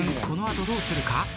この後どうするか？